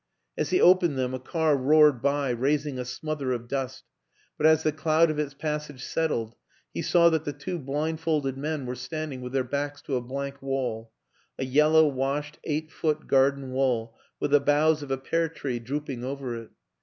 As he opened them a car roared by raising a smother of dust; but as the cloud of its passage settled he saw that the two blindfolded men were standing with their backs to a blank wall a yellow washed, eight foot garden wall with the boughs of a pear tree drooping over it.